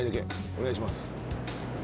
お願いします。